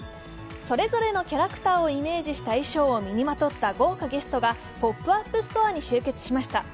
それぞれのキャラクターをイメージした衣装を身にまとった豪華ゲストがポップアップストアに集結しました。